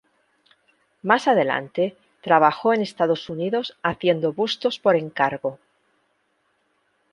Más adelante trabajó en Estados Unidos haciendo bustos por encargo.